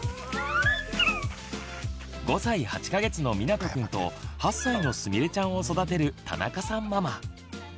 ５歳８か月のみなとくんと８歳のすみれちゃんを育てる田中さんママ。